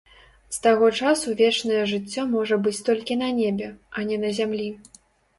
З таго часу вечнае жыццё можа быць толькі на небе, а не на зямлі.